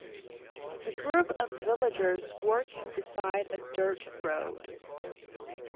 A group of villagers working beside a dirt road.